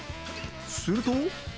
すると